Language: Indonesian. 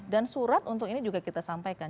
dan surat untuk ini juga kita sampaikan